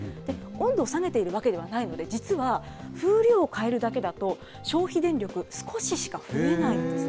温度、下げてるわけではないので、実は、風量を変えるだけだと、消費電力、少ししか増えないんです。